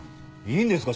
いいんですか？